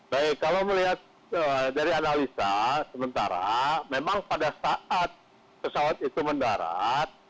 baik kalau melihat dari analisa sementara memang pada saat pesawat itu mendarat